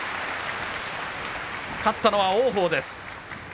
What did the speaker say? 勝ったのは王鵬です。